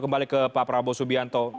kembali ke pak prabowo subianto